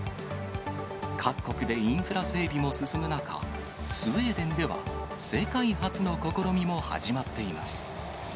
各国でインフラ整備も進む中、スウェーデンでは、世界初の試みも始まっています。